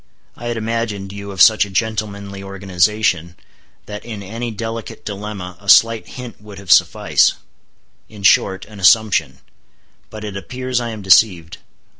I had imagined you of such a gentlemanly organization, that in any delicate dilemma a slight hint would have suffice—in short, an assumption. But it appears I am deceived.